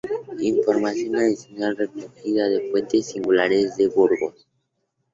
Información adicional recogida de: Puentes Singulares de Burgos